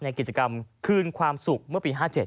กิจกรรมคืนความสุขเมื่อปี๕๗